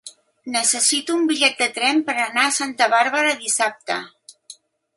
Necessito un bitllet de tren per anar a Santa Bàrbara dissabte.